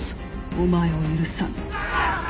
お前を許さぬ。